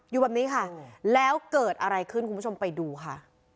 อยู่แบบนี้ค่ะแล้วเกิดอะไรขึ้นคุณผู้ชมไปดูค่ะ